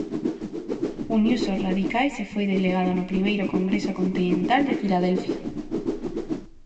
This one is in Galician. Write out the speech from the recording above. Uniuse aos radicais e foi delegado no Primeiro Congreso Continental de Filadelfia.